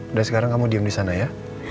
udah sekarang kamu diem di sana ya